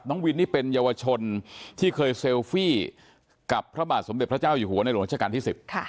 วินนี่เป็นเยาวชนที่เคยเซลฟี่กับพระบาทสมเด็จพระเจ้าอยู่หัวในหลวงราชการที่๑๐